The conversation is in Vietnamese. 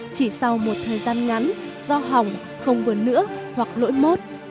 chỉ sau một thời gian ngắn do hỏng không vượt nữa hoặc lỗi mốt